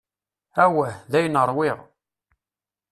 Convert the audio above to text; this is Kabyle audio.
Awah, dayen ṛwiɣ.